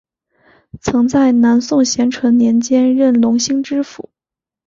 曾在南宋咸淳年间任隆兴知府。